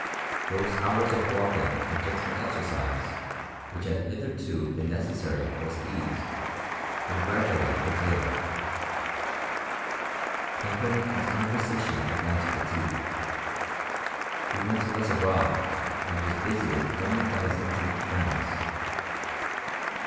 Th()se hours of walking and g^ tle exercise, which had hitherto been necessary for his ease, were gradually curtailed. Company and con CHSmSTRT IK O&EAT BRITAIK. 333 vtrsatioh began to fatigue : be went less abroad, and was Yisited only by his intimate friends.